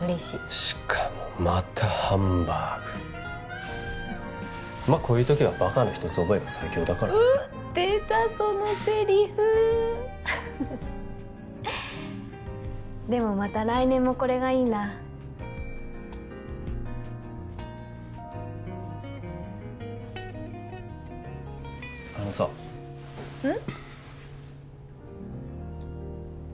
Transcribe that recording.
しかもまたハンバーグまっこういう時はバカの一つ覚えが最強だから出たそのセリフでもまた来年もこれがいいなあのさうん？